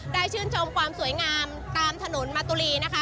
ได้ชื่นชมความสวยงามตามถนนมัตตุลี